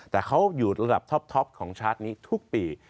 แต่เขาอยู่ระดับท็อปของชาร์จนี้ทุกปี